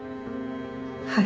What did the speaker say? はい。